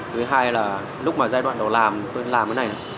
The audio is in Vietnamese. thứ hai là lúc mà giai đoạn đầu làm tôi làm cái này